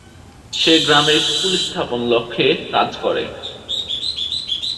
সে গ্রামে স্কুল স্থাপনের লক্ষ্যে কাজ করে।